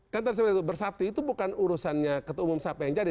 kan tadi saya bilang itu bersatu itu bukan urusannya ketua umum siapa yang jadi